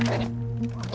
yang menghargain lo